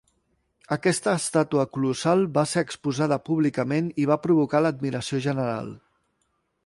Aquesta estàtua colossal va ser exposada públicament, i va provocar l'admiració general.